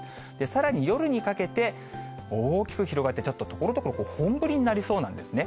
さらに夜にかけて、大きく広がって、ちょっと、ところどころ、本降りになりそうなんですね。